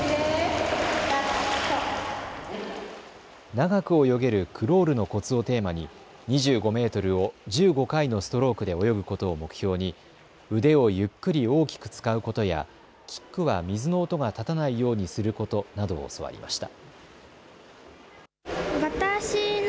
長く泳げるクロールのコツをテーマに２５メートルを１５回のストロークで泳ぐことを目標に腕をゆっくり大きく使うことや、キックは水の音が立たないようにすることなどを教わりました。